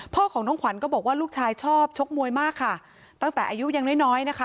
พ่อของน้องขวัญก็บอกว่าลูกชายชอบชกมวยมากค่ะตั้งแต่อายุยังน้อยน้อยนะคะ